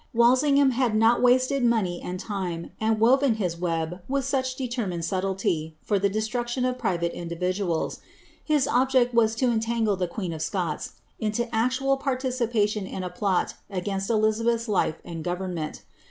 Walsingham had not wasted money and time, and woven his web with such determined subtlety, for the destruction of pri vate individuals ; his object was to entangle the queen of Scots into aetoal participation in a plot against Elizabeth's life and government.